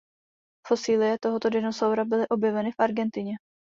Fosilie tohoto dinosaura byly objeveny v Argentině.